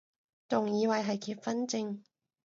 仲以為係結婚証